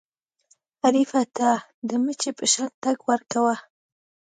حریف ته د مچۍ په شان ټک ورکوه.